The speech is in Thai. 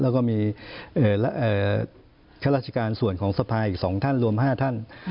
แล้วก็มีข้าราชการส่วนของสภาอีก๒ท่านรวม๕ท่าน